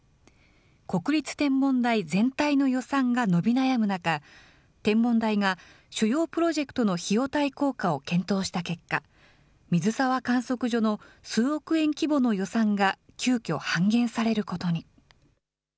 国立天文台全体の予算が伸び悩む中、天文台が主要プロジェクトの費用対効果を検討した結果、水沢観測所の数億円規模の予算が急きょ、半減されることに。